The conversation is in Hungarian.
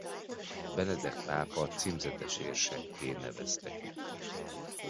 Benedek pápa címzetes érsekké nevezte ki.